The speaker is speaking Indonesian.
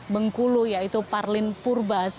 bengkulu yaitu parlin purba